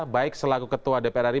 baik selaku ketua dpr ri